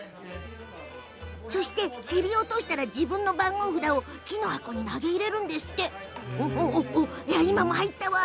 競り落としたら、自分の番号札を木の箱に投げ入れるんですって。